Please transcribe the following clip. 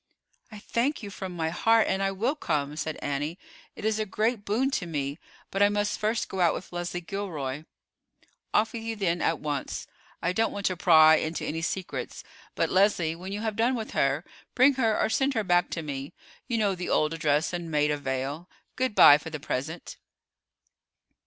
"I thank you from my heart, and I will come," said Annie. "It is a great boon to me; but I must first go out with Leslie Gilroy." "Off with you then at once. I don't want to pry into any secrets; but, Leslie, when you have done with her, bring her or send her back to me. You know the old address in Maida Vale. Good by for the present."